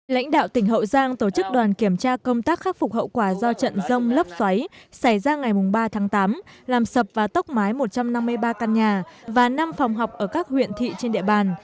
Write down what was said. lãnh đạo tỉnh hậu giang tổ chức đoàn kiểm tra công tác khắc phục hậu quả do trận rông lốc xoáy xảy ra ngày ba tháng tám làm sập và tốc mái một trăm năm mươi ba căn nhà và năm phòng học ở các huyện thị trên địa bàn